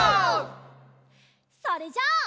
それじゃあ。